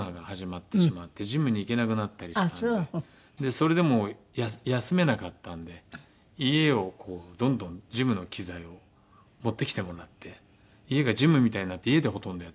それでも休めなかったんで家をどんどんジムの機材を持ってきてもらって家がジムみたいになって家でほとんどやってましたね。